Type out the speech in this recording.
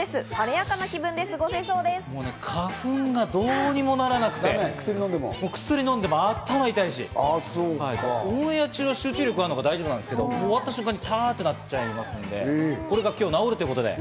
花粉がどうにもならなくて、薬飲んでも頭が痛いし、オンエア中は集中力があるのか大丈夫なんですけど、終わった瞬間にタラっとなっちゃいますので、今日これが治るということで？